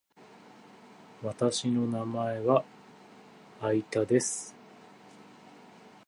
みんなは、どんな文章を入力しているのかなぁ。